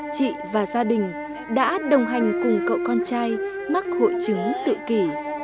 chị và gia đình đã đồng hành cùng cậu con trai mắc hội chứng tự kỷ